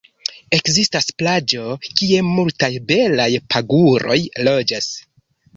Ekzistas plaĝo kie multaj belaj paguroj loĝas.